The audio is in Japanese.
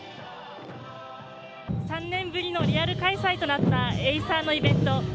３年ぶりのリアル開催となったエイサーのイベント。